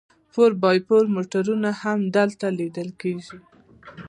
فور بای فور موټرونه هم هلته لیدل کیږي